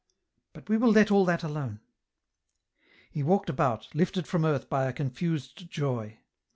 " But we will let all that alone." He walked about, lifted from earth by a confused joy.